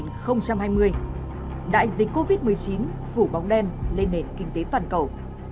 năm hai nghìn hai mươi đại dịch covid một mươi chín phủ bóng đen lên nền kinh tế toàn cầu